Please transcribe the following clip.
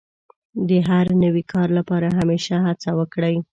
د هر نوي کار لپاره همېشه هڅه وکړئ.